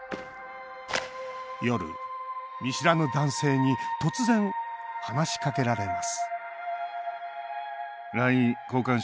夜、見知らぬ男性に突然、話しかけられます